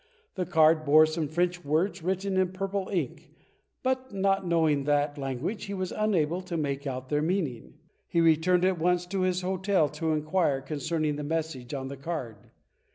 The card bore some French words written in purple ink, but not knowing that language he was imable to make out their meaning. He returned at once to his hotel to inquire concerning the message on the card.